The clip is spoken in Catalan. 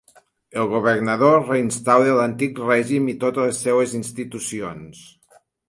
El governador reinstaura l'antic règim i totes les seues institucions.